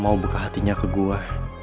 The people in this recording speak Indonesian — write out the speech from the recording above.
mau buka hatinya ke gue